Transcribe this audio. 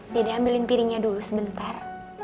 dede ambilin piringnya dulu sebentar